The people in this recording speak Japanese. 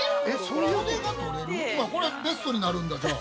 これベストになるんだ、じゃあ。